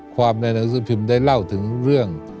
ในหนังสือพิมพ์ได้เล่าถึงเรื่อง